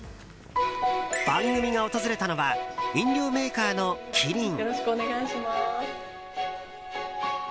番組が訪れたのは飲料メーカーのキリン。